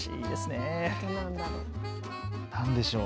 あと何でしょう？